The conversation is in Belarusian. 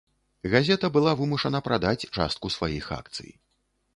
Газета была вымушана прадаць частку сваіх акцый.